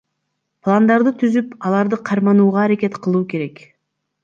Пландарды түзүп, аларды карманууга аракет кылуу керек.